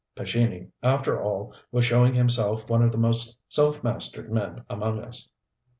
Pescini, after all, was showing himself one of the most self mastered men among us.